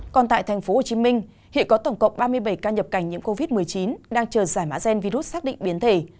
còn tại tp hcm hiện có tổng cộng ba mươi bảy ca nhập cảnh nhiễm covid một mươi chín đang chờ giải mã gen virus xác định biến thể